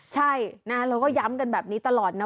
ใช่นะเราก็ย้ำกันแบบนี้ตลอดนะ